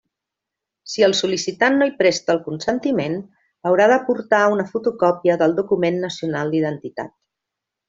Si el sol·licitant no hi presta el consentiment, haurà d'aportar una fotocòpia del document nacional d'identitat.